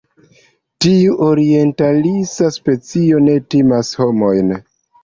Tiu orientalisa specio ne timas homojn.